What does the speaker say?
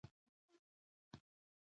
خو پانګوال یوازې نیم مزد دوی ته ورکوي